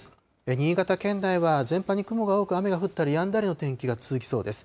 新潟県内は全般に雲が多く、雨が降ったりやんだりの天気が続きそうです。